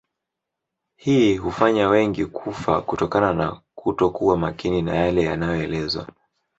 Hii hufanya wengi kufa kutokana na kuto kuwa makini na yale yanayoelezwa